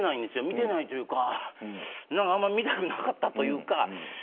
見てないというか見たくなかったというか。